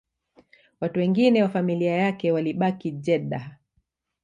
Watu wengine wa familia yake walibaki Jeddah